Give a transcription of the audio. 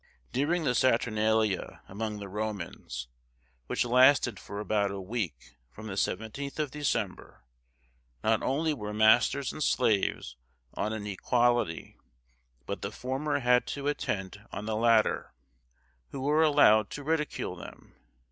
During the Saturnalia among the Romans, which lasted for about a week from the 17th of December, not only were masters and slaves on an equality, but the former had to attend on the latter, who were allowed to ridicule them.